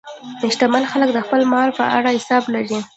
شتمن خلک د خپل مال په اړه حساب لري.